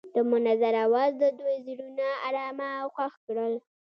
د منظر اواز د دوی زړونه ارامه او خوښ کړل.